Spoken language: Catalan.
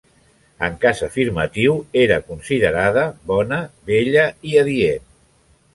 En cas afirmatiu, era considerada bona, bella i adient.